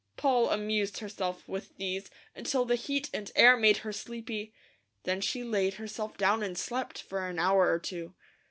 Poll amused herself with these until the heat and air made her sleepy, then she laid herself down and slept for an hour or two.